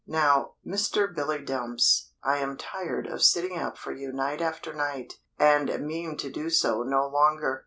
"Now, Mister Billy Dumps, I am tired of sitting up for you night after night, and mean to do so no longer.